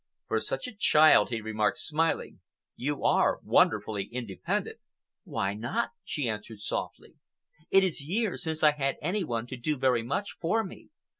"For such a child," he remarked, smiling, "you are wonderfully independent." "Why not?" she answered softly. "It is years since I had any one to do very much for me.